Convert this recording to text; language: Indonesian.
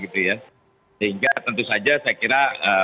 sehingga tentu saja saya kira